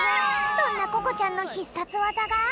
そんなここちゃんのひっさつわざが。